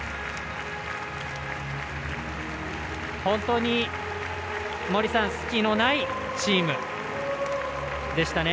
本当に隙のないチームでしたね。